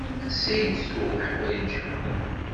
Ansi d-tuɣ leḥwayeǧ-a?